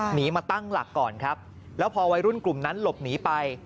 หนีมาตั้งหลักก่อนครับแล้วพอวัยรุ่นกลุ่มนั้นหลบหนีไป